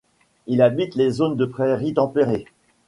Il habite les zones de prairies tempérées.